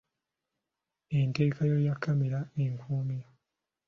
Enteekayo ya kkamera enkuumi.